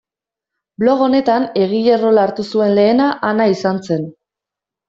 Blog honetan egile rola hartu zuen lehena Ana izan zen.